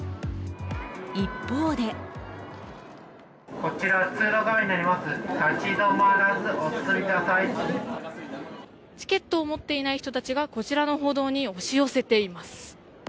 一方でチケットを持っていない人たちがこちらの歩道に押し寄せています。